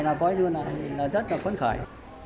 rất là phân khải